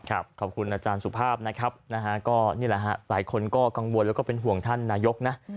ครับขอบคุณอาจารย์สภาพนะครับหลายคนก็กังวลแล้วก็เป็นห่วงท่านนายกนะ